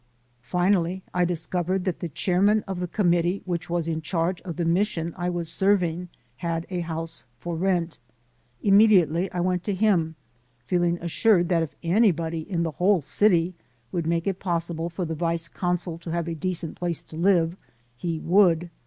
Finally I discovered that the chairman of the Com mittee which was in charge of the Mission I was serving had a house for rent. Immediately I went to him, feeling assured that if anybody in the whole city would make it possible for the Vice Consul to have a decent place to live in, he would.